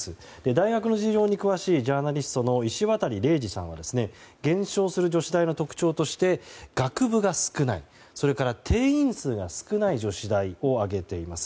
大学の事情に詳しいジャーナリストの石渡嶺司さんは減少する女子大の特徴として学部が少ないそれから定員数が少ない女子大を挙げています。